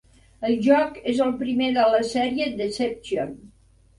El joc és el primer de la sèrie "Deception".